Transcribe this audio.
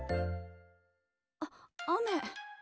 あっ雨。